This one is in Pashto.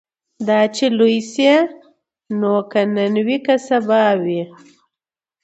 دا چي لوی سي نو که نن وي که سبا وي